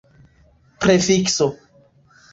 prefikso